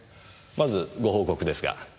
まずご報告ですが。